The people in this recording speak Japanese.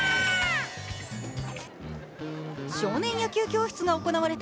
少年野球教室が行われた